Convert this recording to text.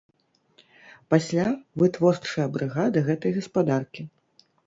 Пасля вытворчая брыгада гэтай гаспадаркі.